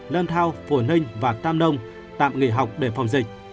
lâm thao phủ ninh và tam nông tạm nghỉ học để phòng dịch